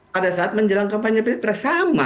pada saat menjelang kampanye pilpres sama